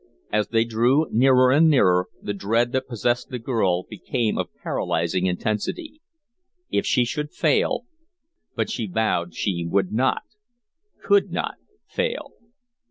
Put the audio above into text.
As they drew nearer and nearer, the dread that possessed the girl became of paralyzing intensity. If she should fail but she vowed she would not, could not, fail.